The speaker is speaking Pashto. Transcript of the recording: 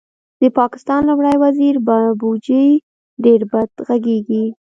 د پاکستان لومړی وزیر بابوجي ډېر بد غږېږي